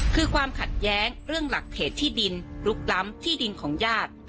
คือความขัดแย้งเรื่องหลักเขตที่ดินลุกล้ำที่ดินของญาติ